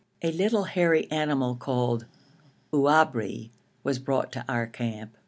A little hairy animal called ouabri was brought to our camp.